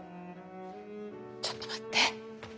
ちょっと待って。